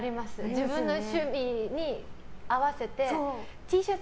自分の趣味に合わせてＴシャツ